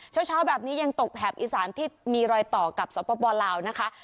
เช้าแบบนี้ยังตกแถบอีสานที่มีรอยต่อกับสปลาวนะคะ